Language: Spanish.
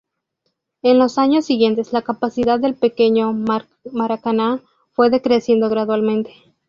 En los años siguientes la capacidad del "Pequeño Maracaná" fue decreciendo gradualmente.